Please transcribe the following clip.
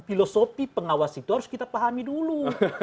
filosofi pengawas itu harus kita pahami dulu